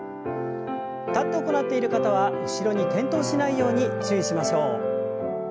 立って行っている方は後ろに転倒しないように注意しましょう。